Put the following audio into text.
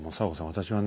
私はね